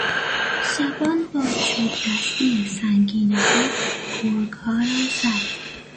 شبان با چوبدستی سنگین خود، گرگها را زد.